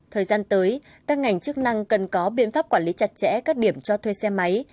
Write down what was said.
thời gian tới các ngành chức năng cần có biện pháp quản lý chặt chẽ các điểm cho thuê xe máy